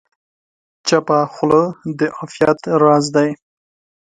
چپه خوله، د عافیت راز دی.